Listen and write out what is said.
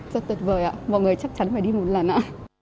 rất tuyệt vời ạ mọi người chắc chắn phải đi một lần nữa